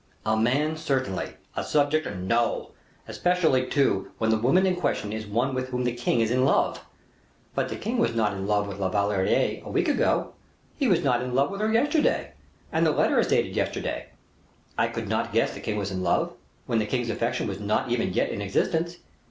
"A man, certainly; a subject, no; especially, too, when the woman in question is one with whom the king is in love." "But the king was not in love with La Valliere a week ago! he was not in love with her yesterday, and the letter is dated yesterday; I could not guess the king was in love, when the king's affection was not even yet in existence."